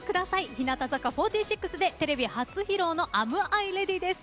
日向坂４６でテレビ初披露の「ＡｍＩｒｅａｄｙ？」です。